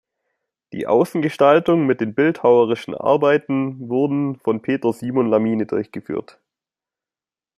Die Außengestaltung mit den bildhauerischen Arbeiten wurden von Peter Simon Lamine durchgeführt.